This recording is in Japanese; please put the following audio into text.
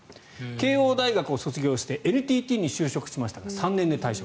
慶應大学を卒業してＮＴＴに入りましたが３年で退職。